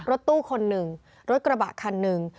รถตู้คนหนึ่งรถกระบะคันหนึ่ง